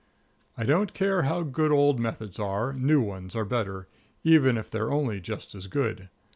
I don't care how good old methods are, new ones are better, even if they're only just as good.